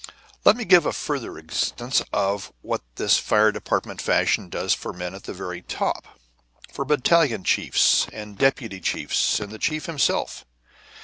Let me give a further instance to show what this fire department fashion does for men at the very top for battalion chiefs and deputy chiefs and the chief himself.